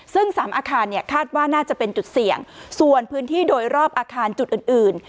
ซึ่งสามอาคารเนี่ยคาดว่าน่าจะเป็นจุดเสี่ยงส่วนพื้นที่โดยรอบอาคารจุดอื่นอื่น